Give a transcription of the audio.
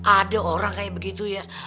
ada orang kayak begitu ya